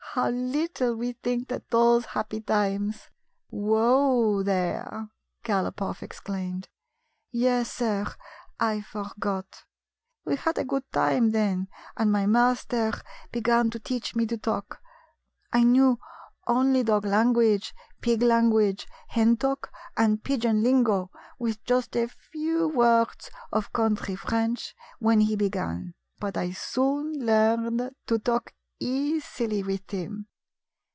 How little we think that those happy times —" 80 A CONFIDENTIAL TALK "Whoa, there!" Galopoff exclaimed. " Yes, sir ; I forgot," said Gypsy. " We had a good time then, and my master began to teach me to talk. I knew only dog language, pig language, hen talk and pigeon lingo, with just a few words of country French when he be gan ; but I soon learned to talk easily with him.